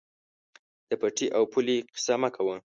د پټي او پولې قیصه مه کوه.